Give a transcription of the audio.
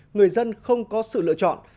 người dân không có sự lựa chọn